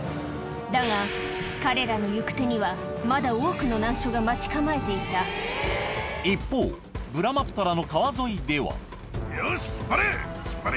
だが彼らの行く手には待ち構えていた一方ブラマプトラの川沿いではよし引っ張れ！